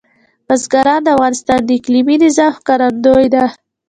بزګان د افغانستان د اقلیمي نظام ښکارندوی ده.